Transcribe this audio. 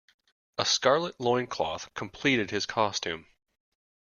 A scarlet loincloth completed his costume.